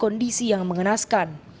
kondisi yang mengenaskan